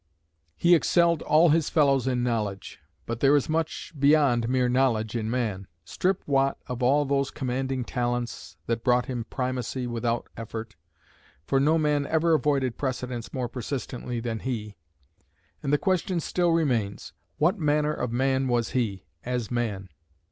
He excelled all his fellows in knowledge, but there is much beyond mere knowledge in man. Strip Watt of all those commanding talents that brought him primacy without effort, for no man ever avoided precedence more persistently than he, and the question still remains: what manner of man was he, as man?